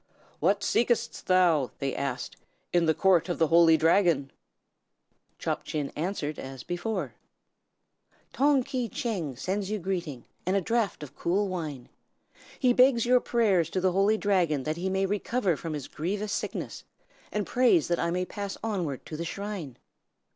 "What seekest thou," they asked, "in the court of the Holy Dragon?" Chop Chin answered as before: "Tong Ki Tcheng sends you greeting, and a draught of cool wine. He begs your prayers to the Holy Dragon that he may recover from his grievous sickness, and prays that I may pass onward to the shrine."